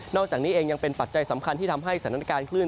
อกจากนี้เองยังเป็นปัจจัยสำคัญที่ทำให้สถานการณ์คลื่น